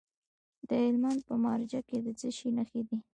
د هلمند په مارجه کې د څه شي نښې دي؟